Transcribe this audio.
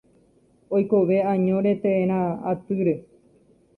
Oikove añóre térã atýre.